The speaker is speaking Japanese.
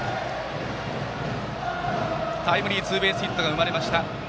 タイムリーツーベースヒットが生まれました。